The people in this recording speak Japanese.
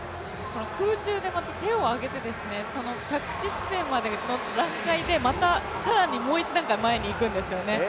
空中で手を上げて着地地点までの段階でまた更にもう一段階前に行くんですよね。